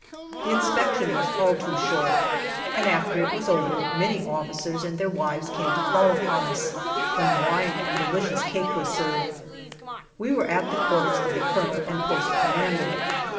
The inspection was all too short, and after it was over, many officers and their wives came to call upon us, when wine and delicious cake was served. We were at the quarters of the colonel and post commander.